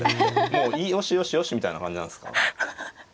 もういいよしよしよしみたいな感じなんすか？